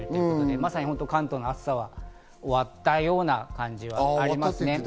まさに関東の暑さは終わったような感じはありますね。